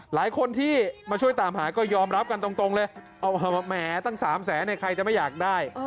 หลายคนที่มาช่วยตามหาก็ยอมรับกันตรงเลยแหมตั้ง๓แสนเนี่ยใครจะไม่อยากได้